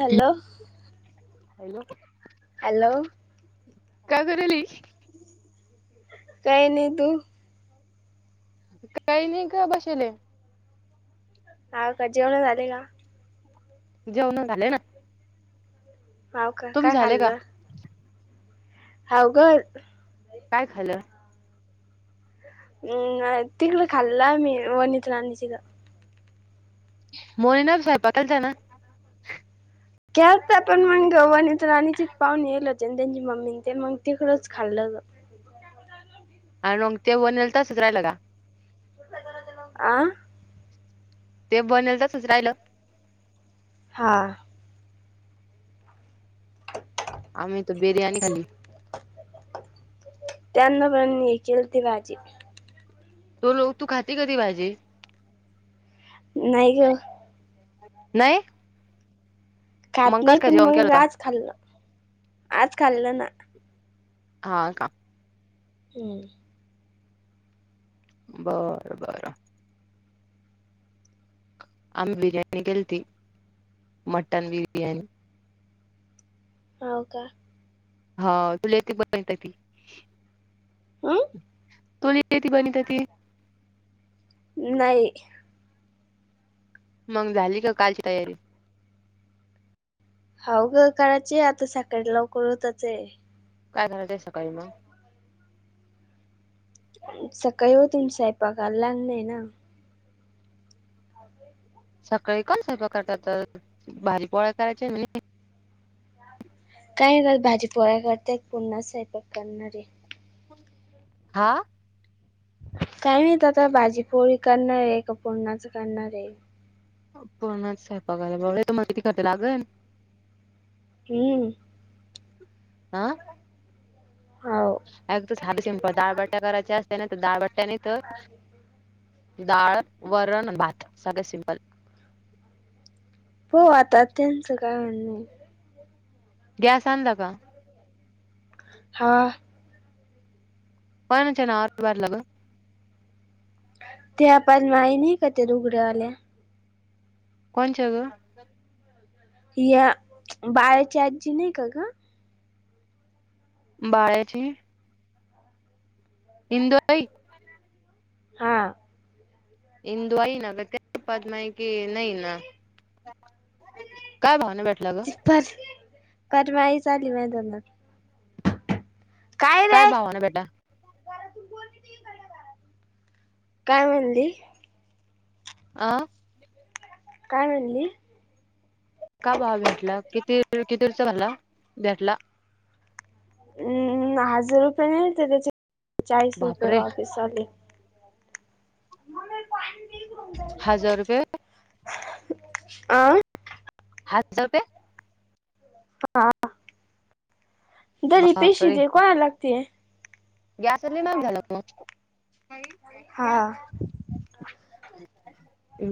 Hello hello hello काय करराली काही नाही तू काही नाही का भाषेले हा कजेवण झाले का जेवणं झांले नां हांव कां कायं झाले का खाल्लं हांव गंण कायं खाल्लं हम्मं तिकडं खाल्लं मी वनिकांचीलां मोईनं [unintelligible] ना साहेब पत जाना गेलतां पणं मंग वणी तरं आणि तचं पाहून येलं होते त्यांची मम्मी ते मंग तिकडंच खाल्लं आणि रंग ते वनल तर संगडयालंगा आं ते बनेल तसचं राहिलं हां आम्हीं तरं बिर्याणी खांली त्यांनां पणं केलं ती भांजी तुलूकं तूं खांती कां ती भांजी नाहीं ई गं नाहीं खातं नाहीं पणं जेवण केलं मंग होता आंज खाल्लं आंज खाल्लं नां हां कां हं बरं बरं आम्हीं बिर्याणी केली ती मटंन बिर्याणी होव कां हां तुले ते बंत माहीत आहे ते हं? तूंले किती बणं तं ते नाहीं मंग झालीं कां कांलची तयारी होगं करायंची आतां सकाळीं लवकरं उठायचं आहे कायं करायचं ते सकाळीं उठून सकाळीं ऊंठून स्व स्वयंपाकाले लागणं हे नां हे [unintelligible] सकाळीं कोणं सर्व प्रकारात तरं भांजी पोळ्या करायच्यां ना कायं करं भांजी पोळ्या करते पुरन्हां स्वयंपाक करणारं आहे हां कायं नाहीतं आतां भांजीपोळी करणारं आहे कां पुरणाचं करणारं आहे पुरणांच्यां स्वयंपाकाले लंय घणटे ब मंग किती घटं लागे थीमं हां हो अ तं झांली तरं दहाबट्ट्यां करायंचे नाहीं तरं दह डाळबट्ट्या नाहीं तरं डाळं वरंण भांत सगळें साधं सिम्पल हो आतान त्यांचं काऊय म्हं नाहीं गॅस आणंला कां हां पाण्यांच्या नावां नां द्वाद लागलां भरंपूर ते आपणं माही नाहीं कां ते रुघड्यांवाल्यां कोणच्यां गं यां बारांची आजी नाहीं कां गं बाळ्यांची ईदुय ताईं हां ईदू आई नां तेपातंमां येकी नाहीं नां ह काय भावना भेटला ग. ती पर परवाई झाली माहिना काय रे भावा ना बेटा काय म्हणली? आ काय म्हणली? का बावा भेटला किती कितीरचा झाला भेटला. हम्म हजार रुपये नाहीते त्याचे चाळीस रुपये बापरे वापस चाले. मग पाणी नाही करून जा. हजार रुपये. अ. हातजारपे हा. दरी पेशी दे कय लागते. गॅसधली माग झाला मग हा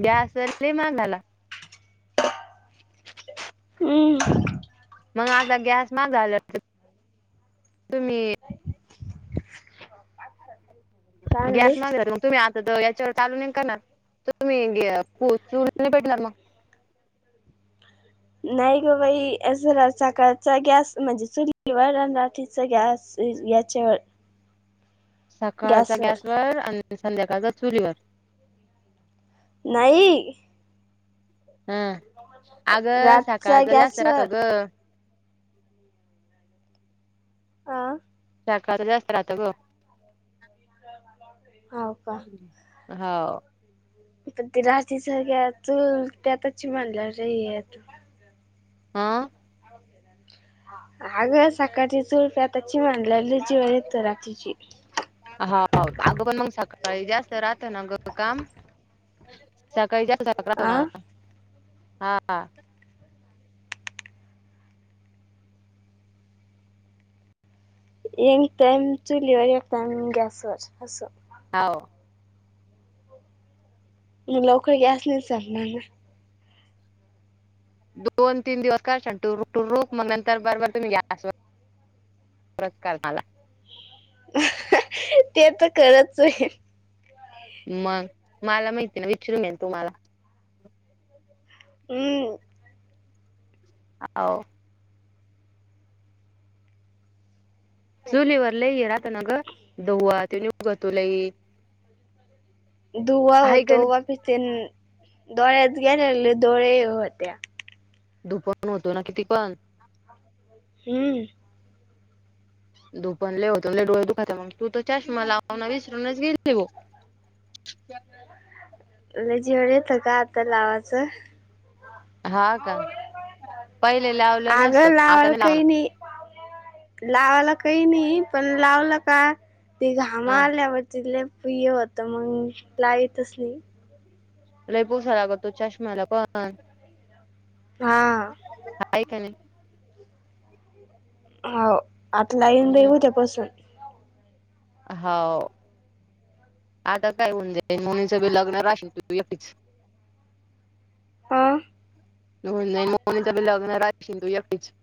गॅस माग झाला. हम्म मग आता गॅस मा झाला तुम्ही [unintelligible] चांगले गॅस मग जरू. तुम्ही आता तर याच्यावर टालूून का ना तुम्ही चूर नाही भेटला मग. नाही ग बाई अस सकाळचा गॅस म्हणजे चुलीवरन राह अस गॅस याच्या सकाळच्या गॅसवर आणि संध्याकाळच्या चुलीवर नाही. हम अग रातचा सकाळच जास्त राहतो गॅसवर ग. अ शका जास्त राहत ग. हो का हो. पण ते र्री सारख्या चु त्यात म्हनल्या र हा. हाग सकाळची चोळप आताची मांडलेली जीवाण येत रात्रीची. हा अगं पण मग सकाळी जास्त राहत ना ग काम. सकाळी जा सकातो ना आ हा हा. यंग तम चुलीवरर यक्त गॅस ववरर हस हो. मग लवकर गॅस नाही सरणार ना. दोन तीन दिवस का छान रुख मग नंतर बरबर तुम्ही गॅसवर. पुरस्कार मला. ते तर करचय मग मला माहिती ना विचरूूनेल तुम्हाला हम्. हो. चुलीवर लई आहे राहता न गं दहवा त नि उग तो लई. धुवा आहे का होतो नाही वापिस दोळ्यात गेलेले दोळे होते्या. धपण होतो ना किती पण. हम्म. दुपनले होते म्ह डोळे दुखाात मग तू त तर चष्मा लावना विसरूनच गेले भा जेवण येतं का आता लावाचं. हा का पहिले लावलं मस्तो अगं लावायला आताने काही लावणार. नाही लावायला काही नाही पण लावलं का ते हा घामरल्यावर. तिथलं प्रिय होतं मग लाईतच नाही लई पूसा लागत तो चष्माला [unintelligible] का हा [unintelligible] हाय का नाही? हो आता लाईन दे हम्म ऊद्यापसून हाव आता काय होऊन जाईल मुनीचं लग्न राहशील तू एकटीच हो न बोल्ले मोनीच बी लग्न राखशील तू एकटीच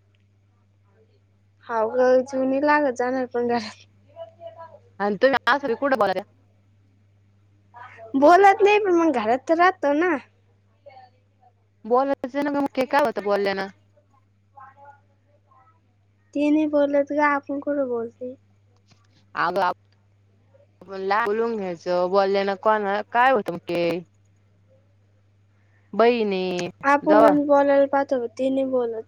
हाव ग जुनी लागत जाणार पण घरात आणि तुम्ही सरी कुठ बोलला [unintelligible] बोलत नाही, पण हमग घरात तर राहतो ना बॉलयच- ना -की- काय -होत-बोल्यान. तेनी बोलत ग आपण कुठ बोलते. आ [unintelligible] बोला, बोलून घ्यायचं बोल्यान कोणाला काय होतं [unintelligible] बईने आपण कन बोलायला पाहतो तिने बोलत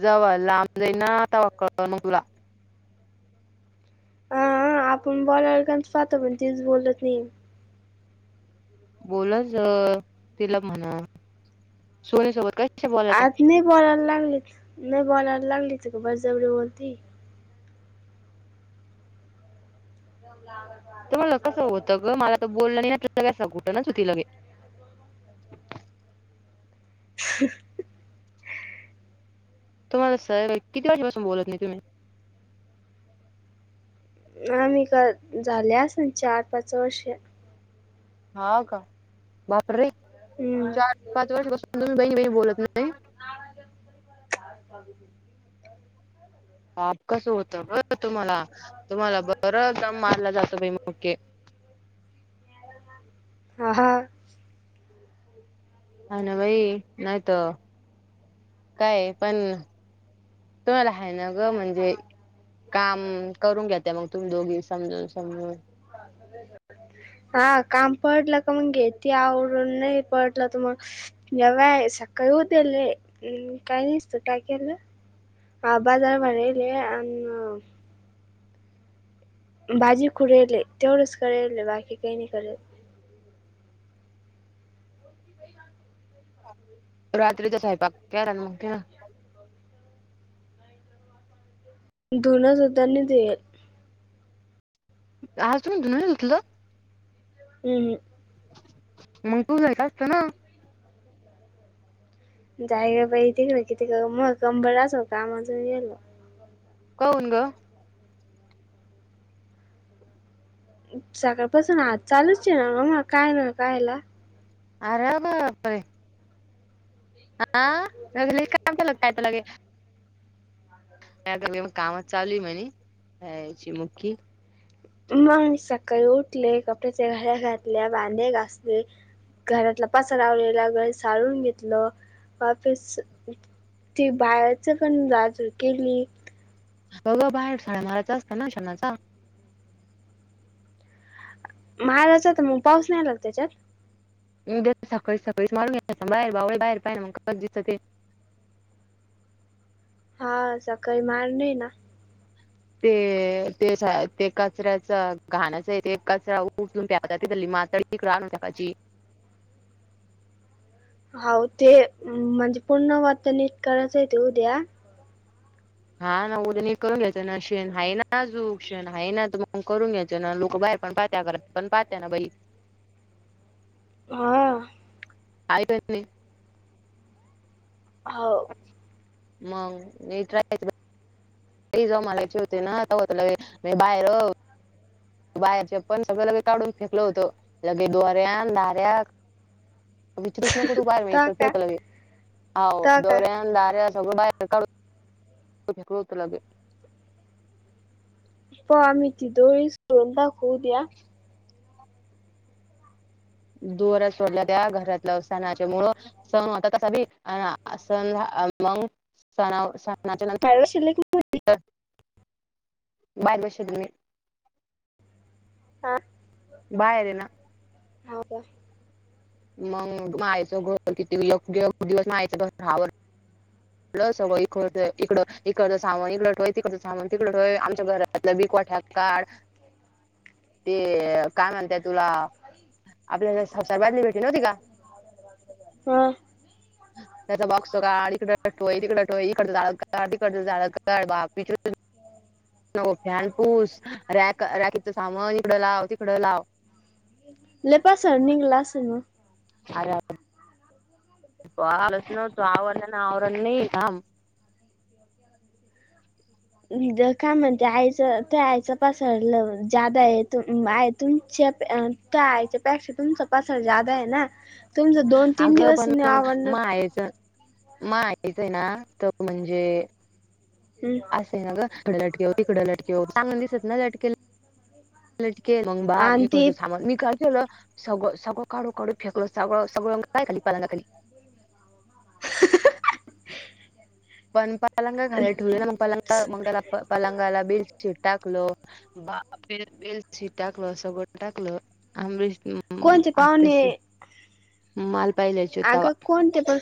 जवा लांब जाईन ना तवा कळल म तुला अ-अ आपण बोलायला कंझ पाहतो पण तिच बोलत नाही. बोलतज तिला म्हण सोनीसोबत काय आत नी बोलायला लागलीत नाही बोलायला लागली तर बरजबरी बोलती. एकदम लाभ का [unintelligible] तर मला कसं होतं ग मला तर बोललं नाही [unintelligible] घुटणच होती लगे ह् [inaudible] तु मला सल किती वाजेपासून बोलत नाही तुम्ही? आम्ही का झाले असन चार -पाच वर्ष हाव का बापरे! हम्म चार, पाच वर्षापासून तुम्ही बहीणी-बहिणी बोलत नाही? बाप कसं होतं ब तुम्हाला, तुम्हाला बर दम मारलं जात बई मके [unintelligible] हा-हा हाय ना बाई नाहीत काये पण तुम्हाला हाय ना गं म्हणजे काम करून घ्याता मग तुम्ही दोघी समजून- समजून हा काम पडलं का मग घेती आवरून नाही पडलं त मग जव्हाय सकाळी उठलेय कायनिसत काय केलं हा बाजार भरिले अन् बाजी खुडिले तेवढच करेले बाकी काही नि कर रात्रीचा स्वंयपाक केरान मग केरा धुन धुतानी ते आज तुनी धुन नाही धुतल? हुं -हं मग तू जायला [unintelligible] असत ना जायगे बाई तिकड किती म कंबरा असो कामजून गेलो कावून ग? सकाळपसून आज चालूच ये ना ममा काय ना कायला आर बापरे! हा कागतयत लगे [unintelligible] कामच चालू म्हणेची मुखी मग सकाळी उठले कपड्याच्या घऱ्या घातल्या बांदे घासले घरातला पास रावलेला घर सारून घेतलं वाफेस ती बाहेरच पण जाजू केली गघ बाहेर साड्या माराचा असतं ना क्षणाचा महाडाचा तर मग पाऊस नाही लाग त्याच्यात सकाळी सकाळीच मारून घ बाहेर बा बाहेर पाहि ना मग कस दिसत ते हा सकाळी मारली ना! [unintelligible] इकड आणून टाकायची. [unintelligible] [unintelligible] [unintelligible] हा. आयकत नाही. हो. मग मी [unintelligible] [unintelligible] विचरूस नक तू बाहेर मिळ ता का खळ ता का दोऱ्या दार्या सगळं बाहेर काढूनेकतगे प आम ती दोरीस रता खू द्या [unintelligible] [unintelligible] [unintelligible] [unintelligible] हा. बाहेर ये ना? हा का? [unintelligible] [unintelligible] ते काय म्हणताय तुला आपल्या हा [unintelligible] [unintelligible] नको फॅनपूस रॅक रॅकीचं सामान इकडं लाव तिकडं लाव. लय पसारा निघला आसल मग [inaudible] [unintelligible] [unintelligible] आईच्या पसऱ्यापेक्षा तुमचा पसाला जादा आहे ना तुमच दोन तीन अगं दिवस पण नाय मग आवडणार मायचं [unintelligible] हम्. असे ना ग तिकडं लटके तिकडं लटकेव चांग दिसत ना लटकेला [unintelligible] लं आणि ते सगळं सगळं काढू काढू फेकलं सगळं सगळं पाया खाली पालंगा खाली. पन [unintelligible] [unintelligible] कोणते पाहणे आत्ताशी माल पाहिल्याची अग तवा कोणते पण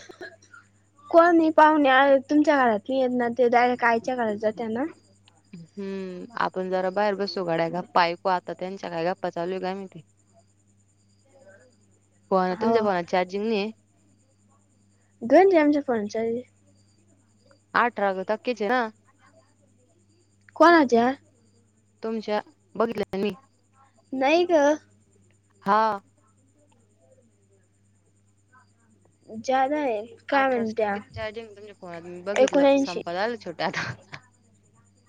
कोण पाहुणे तुमच्या घरात नाही येत ना ते डायरेक्ट आईच्या घरात जात आहे ना हम् आपण जरा बाहेर बसू घडाय गप्पा ऐ. कू आता त्यांच्या काय गप्पा चालूय का मी ते. हो [unintelligible] घरी आमच्या कोण चालय? [unintelligible] कोन्हाच्या? तुमच्या... बघितल्या... न... मी. नई गं हा. ज्यादा ये आठराच टक्के चार्जिंग ए तुमच्या फोनात... मी बघितलं, एकोणऐंशी संपत आलं छोटं आता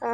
अ,